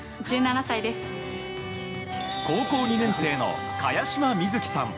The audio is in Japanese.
高校２年生の茅島みずきさん。